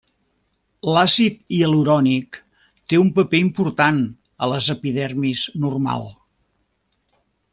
L'àcid hialurònic té un paper important a l'epidermis normal.